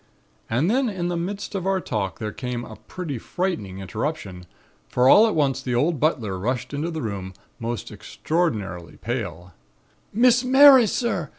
And then in the midst of our talk there came a pretty frightening interruption, for all at once the old butler rushed into the room, most extraordinarily pale: "'Miss Mary, sir!